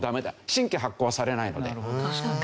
新規発行はされないので。